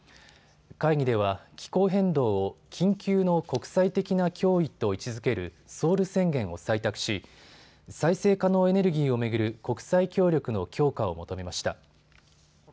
会議では気候変動を緊急の国際的な脅威と位置づけるソウル宣言を採択し再生可能エネルギーを巡る国際協力の強化を求めました。